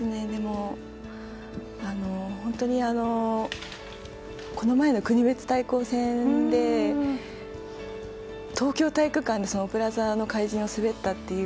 本当に、この前の国別対抗戦で東京体育館で「オペラ座の怪人」を滑ったという。